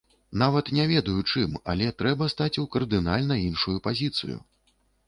Нават не ведаю, чым, але трэба стаць у кардынальна іншую пазіцыю!